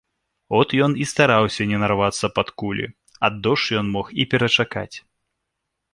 От ён і стараўся не нарвацца пад кулі, а дождж ён мог і перачакаць.